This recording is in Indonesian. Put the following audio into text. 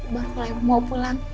baru mulai mau pulang